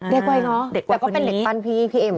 เด็กไว้เนอะแต่ก็เป็นเด็กปั้นพี่เอเหมือนกัน